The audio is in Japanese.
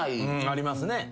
ありますね。